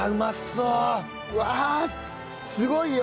うわすごいよ。